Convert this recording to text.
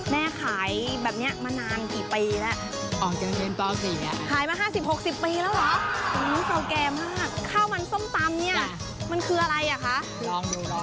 แม่ขายแบบนี้มานานกี่ปีลึ๊า